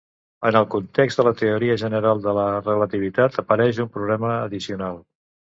En el context de la teoria general de la relativitat apareix un problema addicional.